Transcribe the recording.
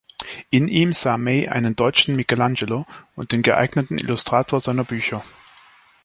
In ihm sah May einen „deutschen Michel Angelo“ und den geeigneten Illustrator seiner Bücher.